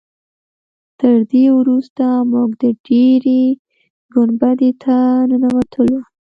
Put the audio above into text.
تر دې وروسته موږ د ډبرې ګنبدې ته ننوتلو.